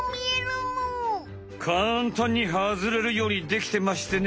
かんたんにはずれるようにできてましてね